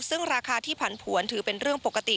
ซึ่งราคาที่ผันผวนถือเป็นเรื่องปกติ